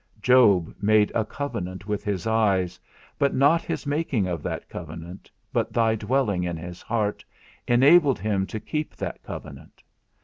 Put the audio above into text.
Job made a covenant with his eyes, but not his making of that covenant, but thy dwelling in his heart, enabled him to keep that covenant.